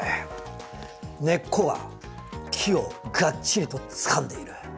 根っこが木をがっちりとつかんでいる。